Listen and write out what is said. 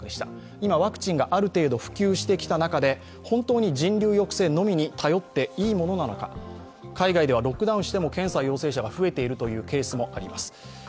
今、ワクチンがある程度普及してきた中で本当に人流抑制のみに頼っていいものなのか、海外ではロックダウンしても検査陽性者が増えているケースが増えています。